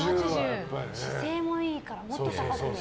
姿勢もいいからもっと高く見える。